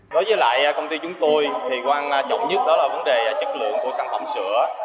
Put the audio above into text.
đối với lại công ty chúng tôi quan trọng nhất là vấn đề chất lượng của sản phẩm sữa